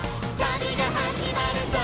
「旅が始まるぞ！」